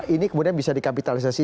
ini kemudian bisa dikapitalisasi